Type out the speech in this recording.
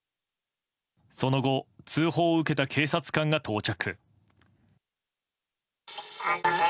その後通報を受けた警察官が到着。